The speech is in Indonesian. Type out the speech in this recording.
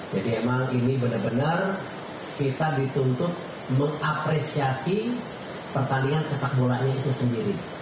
jadi emang ini benar benar kita dituntut mengapresiasi pertanian sepakbolanya itu sendiri